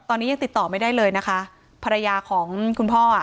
ตอนนี้ยังติดต่อไม่ได้เลยนะคะภรรยาของคุณพ่ออ่ะ